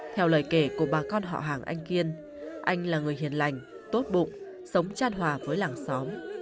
theo lời kể của bà con họ hàng anh kiên anh là người hiền lành tốt bụng sống tràn hòa với làng xóm